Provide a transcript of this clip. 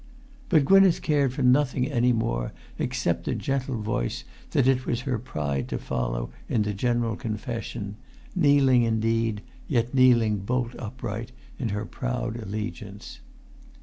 But Gwynneth cared for nothing any more except the gentle voice that it was her pride to follow in the general confession, kneeling indeed, yet kneeling bolt upright in her proud allegiance.